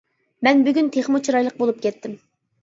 مەن بۈگۈن تېخىمۇ چىرايلىق بولۇپ كەتتىم.